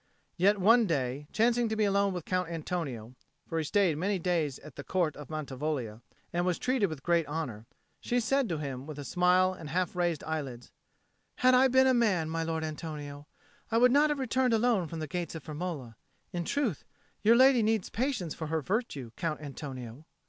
Yet one day, chancing to be alone with Count Antonio for he stayed many days at the Court of Mantivoglia, and was treated with great honour she said to him, with a smile and half raised eyelids, "Had I been a man, my lord Antonio, I would not have returned alone from the gates of Firmola. In truth, your lady needs patience for her virtue, Count Antonio!"